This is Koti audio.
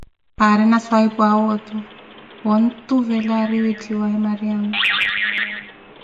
Aarina swahiphuʼawe oto wontuvela aari wiitthiwaaye Mariamo.